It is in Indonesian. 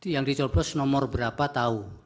yang dicoblos nomor berapa tahu